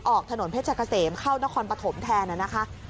ออกถนนเพชรเกษมเข้านครปฐมแทนนะคะ